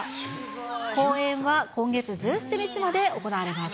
公演は今月１７日まで行われます。